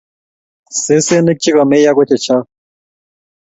Sesenik chegameyo kochechok